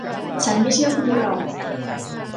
ฉันไม่เชื่อคุณหรอก